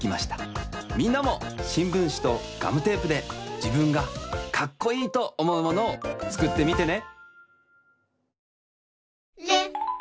みんなもしんぶんしとガムテープでじぶんがかっこいいとおもうものをつくってみてね。